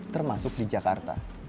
termasuk di jakarta